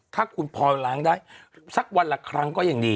ถ้าคุณพอล้างได้สักวันละครั้งก็ยังดี